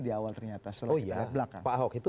di awal ternyata oh iya pak ahok itu